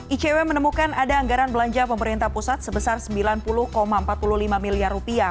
icw menemukan ada anggaran belanja pemerintah pusat sebesar rp sembilan puluh empat puluh lima miliar